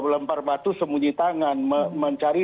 lempar batu sembunyi tangan mencari